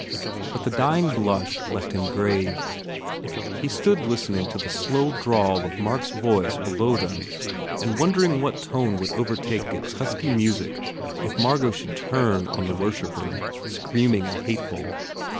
But the dying blush left him grave. He stood listen ing to the slow drawl of Mark s voice below them and wondering what tone would overtake its husky music if Margot should turn on the wor shipper, screaming and hateful.